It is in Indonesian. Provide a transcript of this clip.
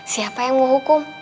siapa yang mau hukum